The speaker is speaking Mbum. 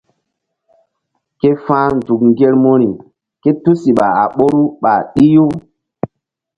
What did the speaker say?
Ke fa̧h nzuk ŋgermuri ké tusiɓa a ɓoru ɓa ɗih-u.